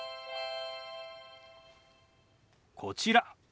こちら。